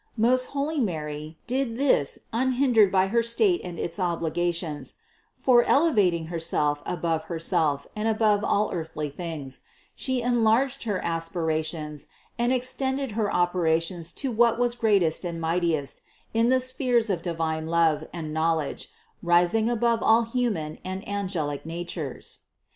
Most holy Mary, did this unhindered by her state and its obligations; for, elevating Herself above Herself and above all earthly things, She enlarged her aspirations and extended her operations to what was greatest and mightiest in the spheres of divine love and knowledge, rising above all human and angelic natures.